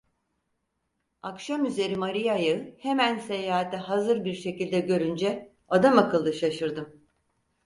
Akşamüzeri Maria'yı hemen seyahate hazır bir şekilde görünce adamakıllı şaşırdım.